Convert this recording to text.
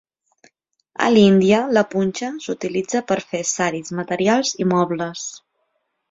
A l'Índia, la punxa s'utilitza per fer saris, materials i mobles.